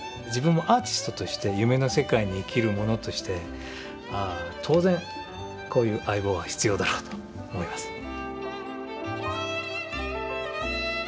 自分もアーティストとして夢の世界に生きるものとして当然こういう相棒は必要だろうと思います。